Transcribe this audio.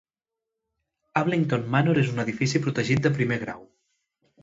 Ablington Manor és un edifici protegit de primer grau.